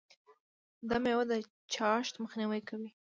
دا میوه د چاغښت مخنیوی کوي.